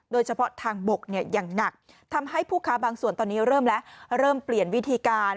โดยเฉพาะทางบกเนี่ยอย่างหนักทำให้ผู้ค้าบางส่วนตอนนี้เริ่มแล้วเริ่มเปลี่ยนวิธีการ